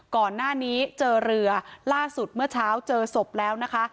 ก่อนหน้านี้เจอเรือล่าสุดเมื่อเช้าเจอศพแล้วนะคะ